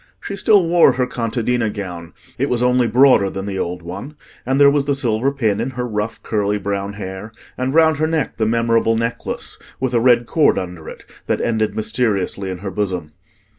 She still wore her contadina gown: it was only broader than the old one; and there was the silver pin in her rough curly brown hair, and round her neck the memorable necklace, with a red cord under it, that ended mysteriously in her bosom.